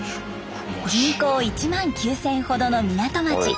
人口１万９，０００ほどの港町。